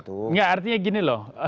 tidak artinya begini